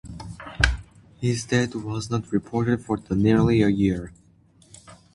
His death was not reported for nearly a year.